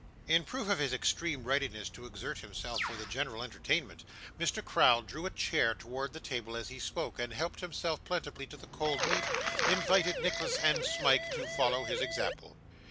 In proof of his extreme readiness to exert himself for the general entertainment, Mr. Crowl drew a chair to the table as he spoke, and helping himself plentifully to the cold meat, invited Nicholas and Smike to follow his example.